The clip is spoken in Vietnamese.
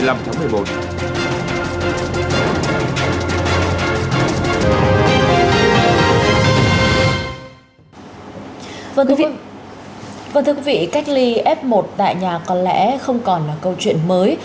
vâng thưa quý vị cách ly f một tại nhà có lẽ không còn là câu chuyện mới